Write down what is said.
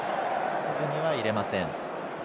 すぐには入れません。